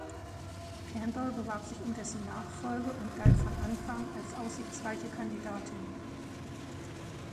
Campbell bewarb sich um dessen Nachfolge und galt von Anfang als aussichtsreiche Kandidatin.